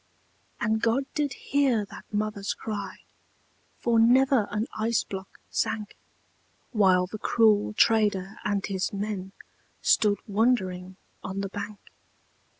And God did hear that mother's cry, For never an ice block sank; While the cruel trader and his men Stood wondering on the bank.